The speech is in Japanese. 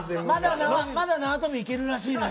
まだ縄跳びいけるらしいのよ。